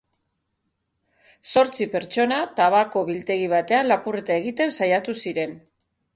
Zortzi pertsona tabako biltegi batean lapurreta egiten saiatu ziren.